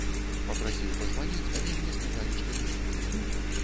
Папрасіў пазваніць, але мне сказалі, што нельга.